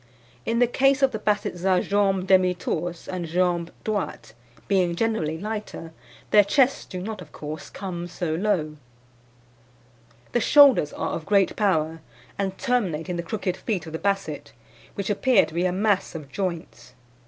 In the case of the Bassets a jambes demi torses and jambes droites, being generally lighter, their chests do not, of course, come so low. "The shoulders are of great power, and terminate in the crooked feet of the Basset, which appear to be a mass of joints.